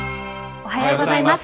おはようございます。